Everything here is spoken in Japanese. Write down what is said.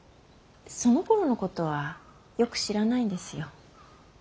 そのころのことはよく知らないんですよ。